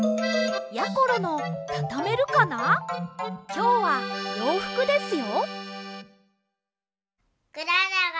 きょうはようふくですよ。